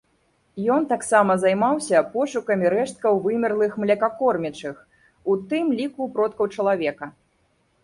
Ён таксама займаўся пошукамі рэшткаў вымерлых млекакормячых, у тым ліку продкаў чалавека.